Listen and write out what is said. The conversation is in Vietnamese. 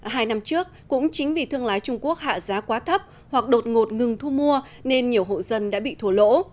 hai năm trước cũng chính vì thương lái trung quốc hạ giá quá thấp hoặc đột ngột ngừng thu mua nên nhiều hộ dân đã bị thua lỗ